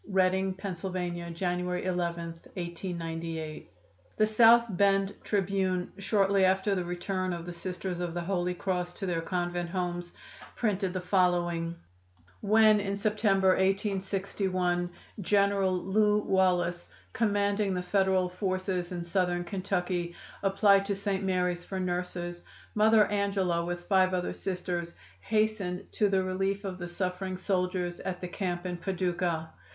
"Reading, Pa., Jan. 11, 1898." The South Bend Tribune, shortly after the return of the Sisters of the Holy Cross to their convent homes, printed the following: "When in September, 1861, General Lew Wallace, commanding the Federal forces in Southern Kentucky, applied to St. Mary's for nurses, Mother Angela, with five other Sisters, hastened to the relief of the suffering soldiers at the camp in Paducah.